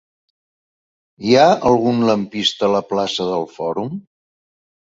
Hi ha algun lampista a la plaça del Fòrum?